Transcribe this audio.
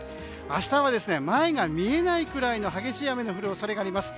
明日は前が見えないぐらいの激しい雨が降る恐れがあります。